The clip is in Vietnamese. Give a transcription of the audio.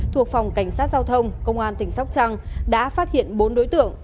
thuộc phòng cảnh sát giao thông công an tỉnh sóc trăng đã phát hiện bốn đối tượng